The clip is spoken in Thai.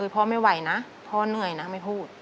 พ่อไม่ไหวนะพ่อเหนื่อยนะไม่พูด